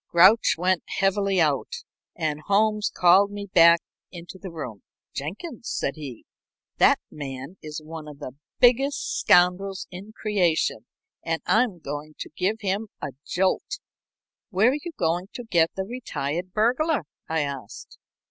Grouch went heavily out, and Holmes called me back into the room. "Jenkins," said he, "that man is one of the biggest scoundrels in creation, and I'm going to give him a jolt." "Where are you going to get the retired burglar?" I asked.